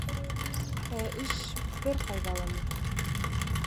Ә эш бер ҡайҙа ла юҡ...